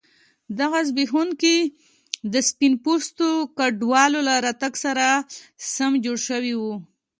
دغه بنسټونه د سپین پوستو کډوالو له راتګ سره سم جوړ شوي وو.